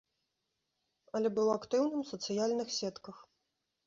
Але быў актыўным у сацыяльных сетках.